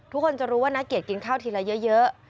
ทุกคนจะรู้ว่านักเกียรติกินข้าวทีละเยอะ